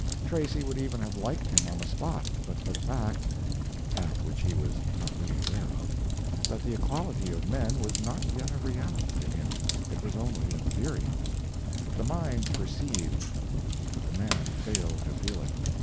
Tracy would even have liked him on the spot, but for the fact—fact which he was not really aware of—that the equality of men was not yet a reality to him, it was only a theory; the mind perceived, but the man failed to feel it.